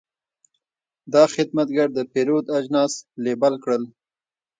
دا خدمتګر د پیرود اجناس لیبل کړل.